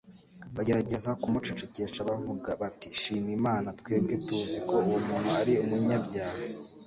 Bagerageza kumucecekesha bavuga bati : «Shima Imana, twebwe tuzi ko uwo muntu ari umunyabyaha.